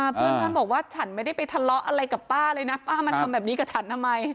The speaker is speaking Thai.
เพื่อนท่านบอกว่าฉันไม่ได้ไปทะเลาะอะไรกับป้าเลยนะป้ามาทำแบบนี้กับฉันทำไม